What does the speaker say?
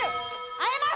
和えます。